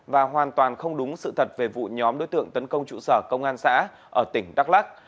và hoàn toàn không đúng sự thật về vụ nhóm đối tượng tấn công trụ sở công an xã ở tỉnh đắk lắc